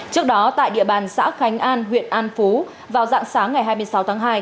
trước đó tại địa bàn xã khánh an huyện an phú vào dạng sáng ngày hai mươi sáu tháng hai